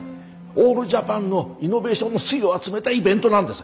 オールジャパンのイノベーションの粋を集めたイベントなんです。